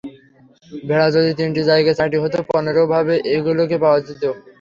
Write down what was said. ভেড়া যদি তিনটির জায়গায় চারটি হতো, পনেরোভাবে এগুলো পাওয়া যেত।